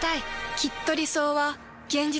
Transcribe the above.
きっと理想は現実になる。